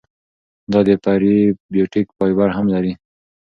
دا د پری بیوټیک فایبر هم لري.